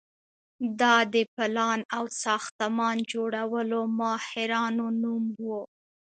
دا د پلان او ساختمان جوړولو ماهرانو نوم و.